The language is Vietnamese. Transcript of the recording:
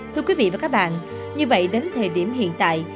thưa quý vị và các bạn như vậy đến thời điểm hiện tại